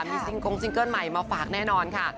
มีซิงกงซิงเกิ้ลใหม่มาฝากแน่นอนค่ะ